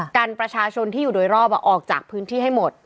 กันประชาชนที่อยู่โดยรอบออกจากพื้นที่ให้หมด